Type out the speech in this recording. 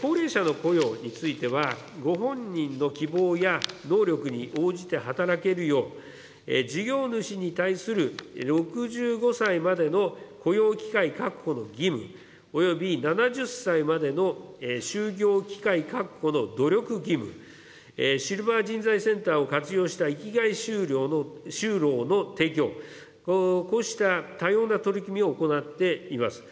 高齢者の雇用については、ご本人の希望や能力に応じて働けるよう、事業主に対する６５歳までの雇用機会確保の義務および７０歳までの就業機会確保の努力義務、シルバー人材センターを活用した生きがい就労の提供、こうした多様な取り組みを行っています。